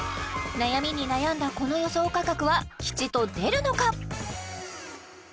悩みに悩んだこの予想価格は吉と出るのか？